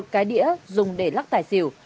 một cái đĩa dùng để lắc tài xỉu